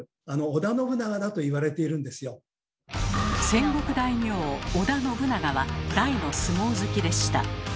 戦国大名織田信長は大の相撲好きでした。